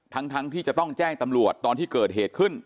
ทั้งที่จะต้องแจ้งตำรวจตอนที่เกิดเหตุขึ้น